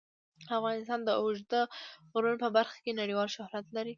افغانستان د اوږده غرونه په برخه کې نړیوال شهرت لري.